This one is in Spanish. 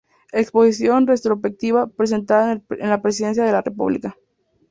Exposición retrospectiva presentada en el Presidencia de la Republica.